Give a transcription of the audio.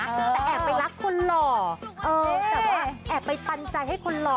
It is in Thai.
แต่แอบไปรักคนหล่อแอบไปปัญญาให้คนหล่อ